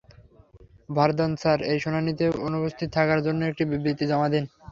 Vardaan sir, এই শুনানিতে অনুপস্থিত থাকার জন্য একটি বিবৃতি জমা দিন।